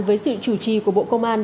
với sự chủ trì của bộ công an